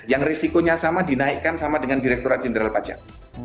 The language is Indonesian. yang risikonya sama dinaikkan sama dengan direkturat jenderal pajak